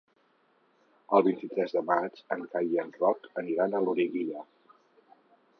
El vint-i-tres de maig en Cai i en Roc aniran a Loriguilla.